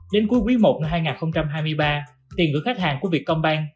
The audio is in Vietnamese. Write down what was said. đến cuối quý i năm hai nghìn hai mươi ba tiền gửi khách hàng của việt công ban